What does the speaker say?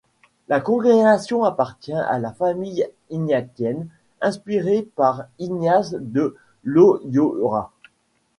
La congrégation appartient à la famille ignatienne, inspirée par Ignace de Loyola.